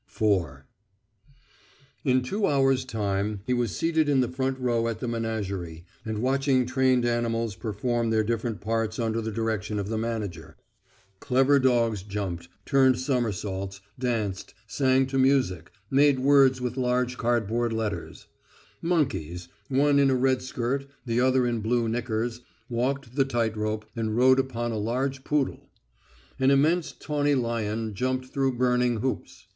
IV In two hours' time he was seated in the front row at the menagerie, and watching trained animals perform their different parts under the direction of the manager. Clever dogs jumped, turned somersaults, danced, sang to music, made words with large cardboard letters. Monkeys one in a red skirt, the other in blue knickers walked the tight rope and rode upon a large poodle. An immense tawny lion jumped through burning hoops.